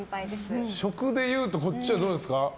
食でいうとこっちはどうですか？